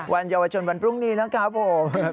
วันเยาวชนวันพรุ่งนี้นะครับผม